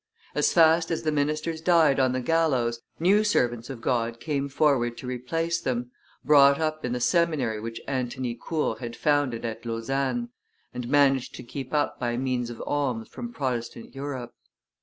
As fast as the ministers died on the gallows, new servants of God came forward to replace them, brought up in the seminary which Antony Court had founded at Lausanne, and managed to keep up by means of alms from Protestant Europe.